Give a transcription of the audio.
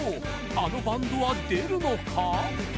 あのバンドは出るのか？